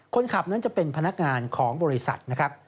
คนขับนั้นจะเป็นพนักงานของบริษัทนะครับ